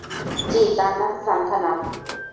জি, তার নাম সান্থানাম।